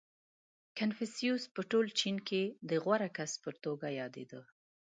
• کنفوسیوس په ټول چین کې د غوره کس په توګه یادېده.